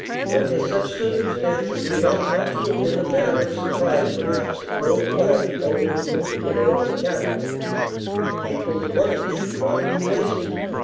Under such circumstances, it ought not to have been a matter of surprise, perhaps, that no flag floated from the cupola of the capitol. The people's money should not be wasted.